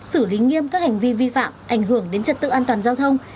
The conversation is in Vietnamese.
xử lý nghiêm các hành vi vi phạm ảnh hưởng đến trật tự an toàn giao thông